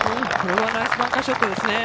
ナイスバンカーショットですね。